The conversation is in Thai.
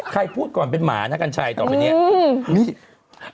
พูดก่อนเป็นหมานะกัญชัยต่อไปเนี่ย